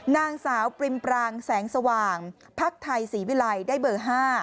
นางสาวปริมปรางแสงสว่างภักดิ์ไทยศรีวิลัยได้เบอร์๕